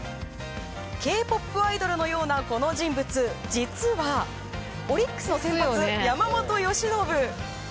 Ｋ‐ＰＯＰアイドルのようなこの人物、実はオリックスの先発山本由伸。